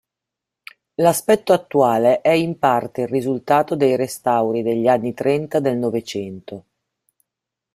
L'aspetto attuale è in parte il risultato di restauri degli anni trenta del Novecento.